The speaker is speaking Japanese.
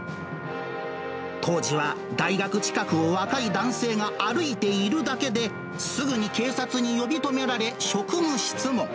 当時は大学近くを若い男性が歩いているだけで、すぐに警察に呼び止められ、職務質問。